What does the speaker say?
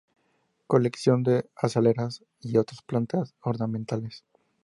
Colección de azaleas y otras plantas ornamentales.